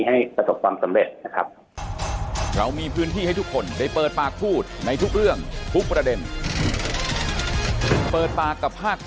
ให้ประสบความสำเร็จนะครับ